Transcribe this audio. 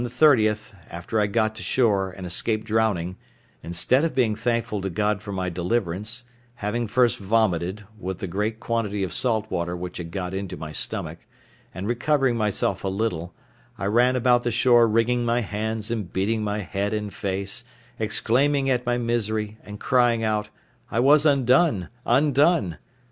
—After I had got to shore, and escaped drowning, instead of being thankful to God for my deliverance, having first vomited, with the great quantity of salt water which had got into my stomach, and recovering myself a little, I ran about the shore wringing my hands and beating my head and face, exclaiming at my misery, and crying out, 'I was undone, undone!